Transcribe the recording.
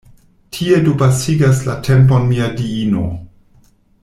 Tie do pasigas la tempon mia diino!